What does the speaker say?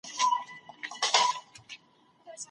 ماشوم په سوې ساه د خپل ژوند لومړی زېری ورکړ.